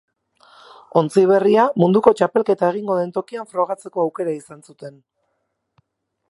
Ontzi berria munduko txapelketa egingo den tokian frogatzeko aukera izan zuten.